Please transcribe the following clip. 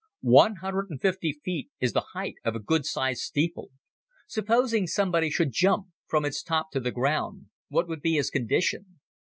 One hundred and fifty feet is the height of a good sized steeple. Supposing somebody should jump from its top to the ground, what would be his condition?